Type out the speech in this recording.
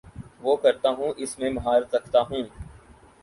وہ کرتا ہوں اس میں مہارت رکھتا ہوں